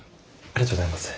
ありがとうございます。